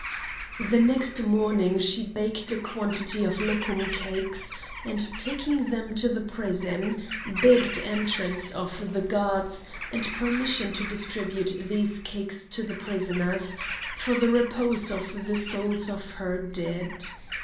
The next morning she baked a quantity of lokum cakes, and taking them to the prison, begged entrance of the guards and permission to distribute these cakes to the prisoners, for the repose of the souls of her dead.